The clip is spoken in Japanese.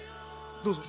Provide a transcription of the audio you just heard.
どうぞ！